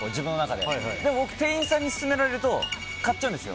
でも僕、店員さんに勧められると買っちゃうんですよ。